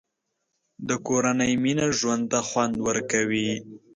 د کورنۍ مینه ژوند ته خوند ورکوي.